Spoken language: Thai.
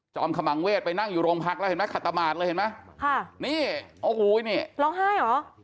ขมังเวศไปนั่งอยู่โรงพักแล้วเห็นไหมขัตมาดเลยเห็นไหมค่ะนี่โอ้โหนี่ร้องไห้เหรอ